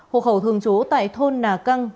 hồ khẩu thường chú tại thôn nà căng